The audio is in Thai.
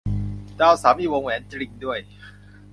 ดาวเสาร์มีวงแหวนจริงด้วย